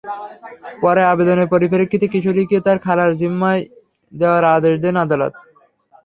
পরে আবেদনের পরিপ্রেক্ষিতে কিশোরীকে তার খালার জিম্মায় দেওয়ার আদেশ দেন আদালত।